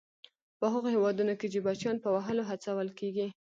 په هغو هېوادونو کې چې بچیان په وهلو هڅول کیږي.